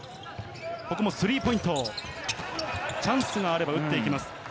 スリーポイント、チャンスがあれば打っていきます。